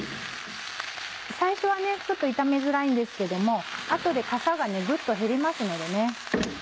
最初はちょっと炒めづらいんですけどもあとでかさがぐっと減りますのでね。